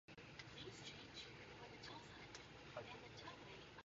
The decision was controversial, and hurt the Canadian hip hop scene considerably.